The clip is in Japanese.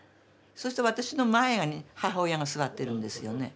そして私の前に母親が座ってるんですよね。